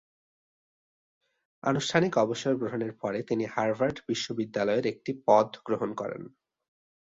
আনুষ্ঠানিক অবসর গ্রহণের পরে তিনি হার্ভার্ড বিশ্ববিদ্যালয়ে একটি পদ গ্রহণ করেন।